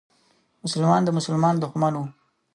مسلمان د مسلمان دښمن و.